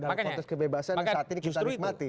dalam konteks kebebasan yang saat ini kita nikmati